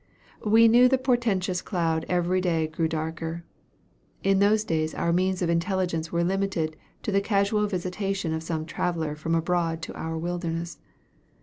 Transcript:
We knew the portentous cloud every day grew darker. In those days our means of intelligence were limited to the casual visitation of some traveller from abroad to our wilderness.